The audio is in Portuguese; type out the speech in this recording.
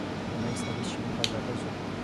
Minha mãe está vestindo um casaco azul.